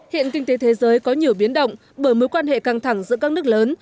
hiện kinh tế thế giới có nhiều biến động bởi mối quan hệ căng thẳng giữa các nước lớn